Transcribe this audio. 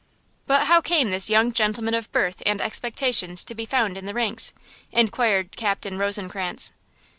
"But how came this young gentleman of birth and expectations to be found in the ranks?" inquired Captain Rosencrantz.